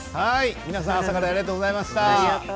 朝からありがとうございました。